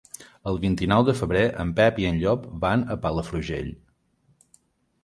El vint-i-nou de febrer en Pep i en Llop van a Palafrugell.